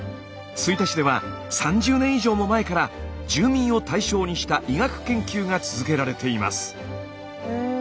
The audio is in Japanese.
吹田市では３０年以上も前から住民を対象にした医学研究が続けられています。